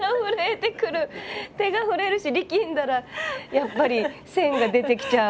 手が震えるし力んだらやっぱり線が出てきちゃう。